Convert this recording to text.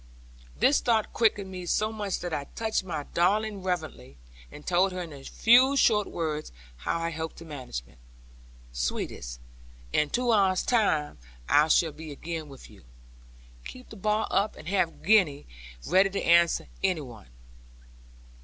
This thought quickened me so much that I touched my darling reverently, and told her in a few short words how I hoped to manage it. 'Sweetest, in two hours' time, I shall be again with you. Keep the bar up, and have Gwenny ready to answer any one.